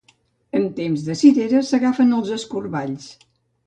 En temps de cireres s'agafen els escorballs.